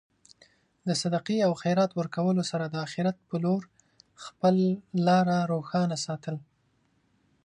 د صدقې او خیرات ورکولو سره د اخرت په لور خپل لاره روشن ساتل.